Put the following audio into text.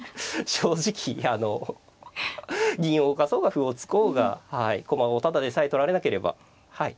正直あの銀を動かそうが歩を突こうが駒をタダでさえ取られなければはい